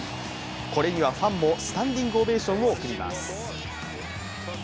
これにはファンもスタンディングオベーションを送ります。